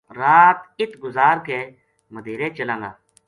رات اِت گزار کے مدیہرے چلاں گا ‘‘